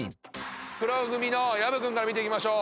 黒組の薮君から見ていきましょう。